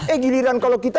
eh giliran kalau kita